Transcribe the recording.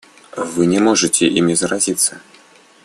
Вы не можете ими заразиться.